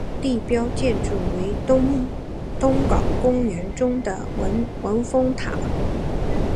地标建筑为东皋公园中的文峰塔。